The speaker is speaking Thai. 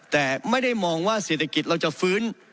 แต่ไม่ได้มองว่าเศรษฐกิจเราจะฟื้น